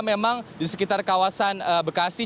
memang di sekitar kawasan bekasi